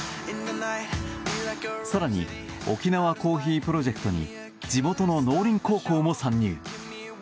更に沖縄コーヒープロジェクトに地元の農林高校も参入。